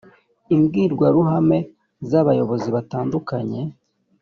imbwirwaruhame z abayobozi batandukanye